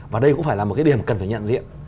và đây cũng phải là một cái điểm cần phải nhận diện